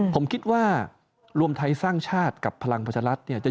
ผมคิดว่ารวมท้ายสร้างชาติกับพลังปัจจรัฐ